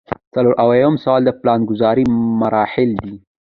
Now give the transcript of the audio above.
څلور اویایم سوال د پلانګذارۍ مراحل دي.